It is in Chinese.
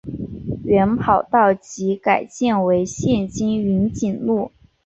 原跑道即改建为现今云锦路。